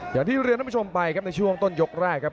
อย่างที่เรียนท่านผู้ชมไปครับในช่วงต้นยกแรกครับ